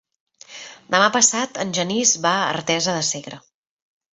Demà passat en Genís va a Artesa de Segre.